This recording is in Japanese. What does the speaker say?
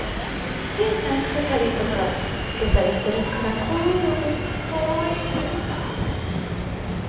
聖ちゃんアクセサリーとか着けたりしてるからこういうのもカワイイです。